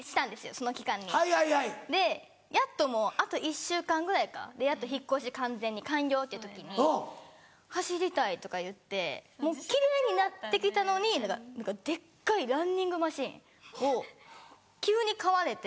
その期間に。でやっともうあと１週間ぐらいかでやっと引っ越し完全に完了っていう時に「走りたい」とか言ってもう奇麗になって来たのに何かデッカいランニングマシンを急に買われて。